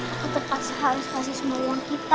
aku tetap harus kasih semua orang kita